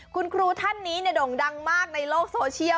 คุณครูท่านนี้โด่งดังมากในโลกโซเชียล